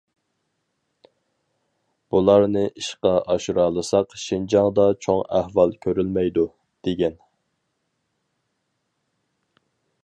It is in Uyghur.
بۇلارنى ئىشقا ئاشۇرالىساق شىنجاڭدا چوڭ ئەھۋال كۆرۈلمەيدۇ دېگەن.